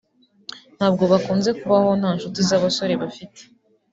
ntabwo bakunze kubaho nta ncuti z’umusore bafite